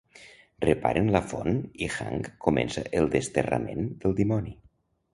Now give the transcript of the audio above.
Reparen la font i Hank comença el "desterrament" del dimoni.